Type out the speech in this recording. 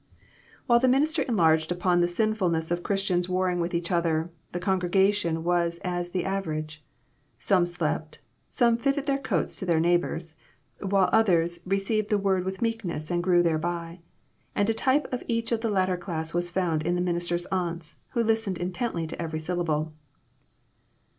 While the minister enlarged upon the sinful ness of Christians warring with each other, the congregation was as the average. Some slept, some fitted the coats to their neighbors, while others received the word with meekness and grew thereby, and a type of each of the latter class was found in the minister's Blunts, who listened intently to every syllable.